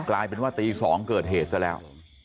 กลายเป็นว่าตี๒เกิดเหตุซะแล้ว